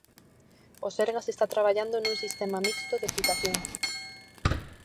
O Sergas está traballando nun sistema mixto de citación.